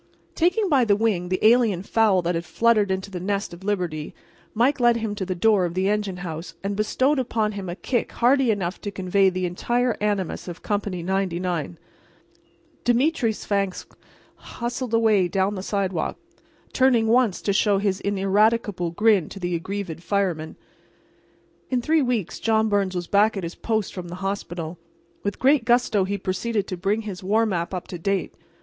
Taking by the wing the alien fowl that had fluttered into the nest of Liberty, Mike led him to the door of the engine house and bestowed upon him a kick hearty enough to convey the entire animus of Company 99. Demetre Svangvsk hustled away down the sidewalk, turning once to show his ineradicable grin to the aggrieved firemen. In three weeks John Byrnes was back at his post from the hospital. With great gusto he proceeded to bring his war map up to date.